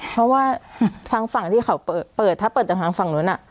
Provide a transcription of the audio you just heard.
เพราะว่าทางฝั่งที่เขาเปิดถ้าเปิดจากทางฝั่งนู้น